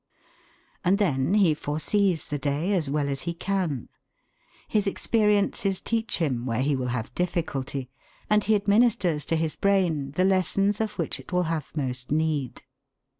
And then he foresees the day as well as he can. His experience teaches him where he will have difficulty, and he administers to his brain the lessons of which it will have most need.